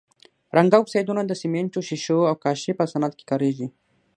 رنګه اکسایدونه د سمنټو، ښيښو او کاشي په صنعت کې کاریږي.